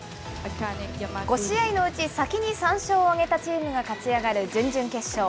５試合のうち先に３勝を挙げたチームが勝ち上がる準々決勝。